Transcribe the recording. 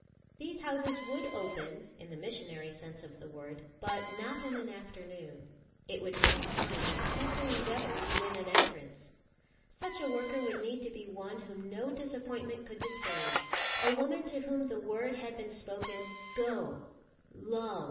These houses would open, in the missionary sense of the word, but not in an afternoon. It would take time and careful endeavour to win an entrance. Such a worker would need to be one whom no disappointment could discourage, a woman to whom the word had been spoken, "Go, love